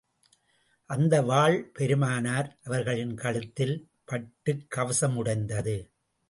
அந்த வாள் பெருமானார் அவர்களின் கவசத்தில் பட்டுக் கவசம் உடைந்தது.